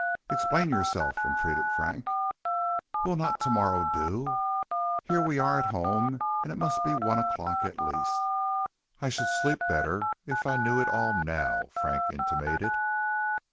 "Explain yourself," entreated Frank. "Will not to morrow do? Here we are at home, and it must be one o'clock at least." "I should sleep better if I knew it all now," Frank intimated.